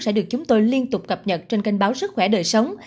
sẽ được chúng tôi liên tục cập nhật trên kênh báo sức khỏe đời sống